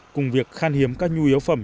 cùng việc khan hiếm các nhu yếu phẩm